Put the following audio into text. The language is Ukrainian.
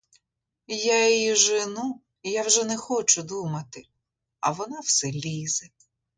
Я її жену, я вже не хочу думати, а вона все лізе.